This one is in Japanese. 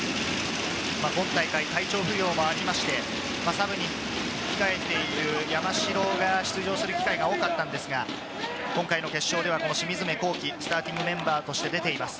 今大会、体調不良もありまして、サブに控えている山城の出場する機会が多かったんですが、今回の決勝では清水目航希、スターティングメンバーとして出ています。